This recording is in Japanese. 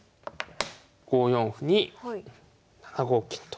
５四歩に７五金と。